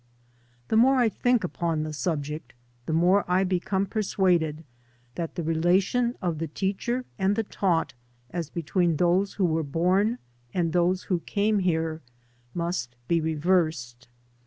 The more I think upon the subject the more I become persuaded that the relation of the teacher and the taught as between those who were bom and those who came here must be reversed.